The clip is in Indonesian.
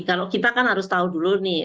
kalau kita kan harus tahu dulu nih